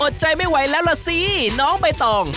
ใจไม่ไหวแล้วล่ะสิน้องใบตอง